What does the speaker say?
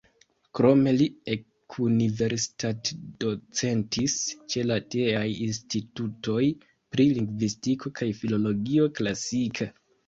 Krome li ekuniversitatdocentis ĉe la tieaj institutoj pri lingvistiko kaj filologio klasika.